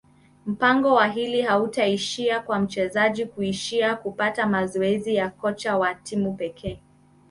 mpango wa hili hautaishia kwa mchezaji kuishia kupata mazoezi ya kocha wa timu pekee